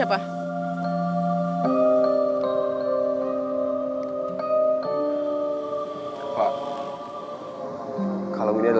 jangan lupa untuk melanggan dan like